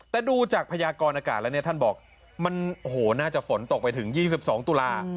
แต่ดูจากพยากรอากาศแล้วเนี่ยท่านบอกมันโอ้โหน่าจะฝนตกไปถึง๒๒ตุลา